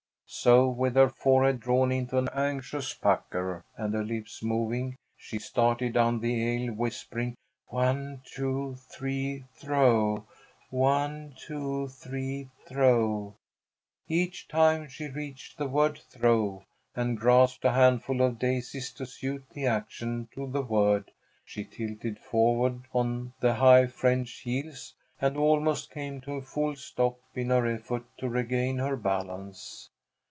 So with her forehead drawn into an anxious pucker, and her lips moving, she started down the aisle whispering, "One, two, three throw! One, two, three throw!" Each time, as she reached the word "throw" and grasped a handful of daisies to suit the action to the word, she tilted forward on the high French heels and almost came to a full stop in her effort to regain her balance.